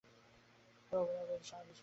তার অভিনয় বেশ বিশ্বাসযোগ্য ছিল।